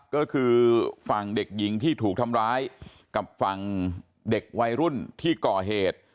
ก็คือฝั่งเด็กหญิงที่ถูกทำร้ายกับฝั่งเด็กวัยรุ่นที่ก่อเหตุ